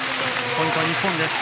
ポイント、日本。